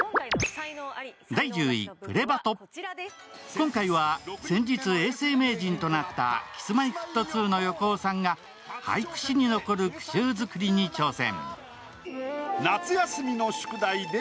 今回は先日、永世名人となったＫｉｓ−Ｍｙ−Ｆｔ２の横尾さんが俳句史に残る句集作りに挑戦。